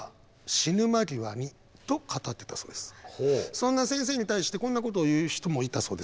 そんな先生に対してこんなことを言う人もいたそうですね。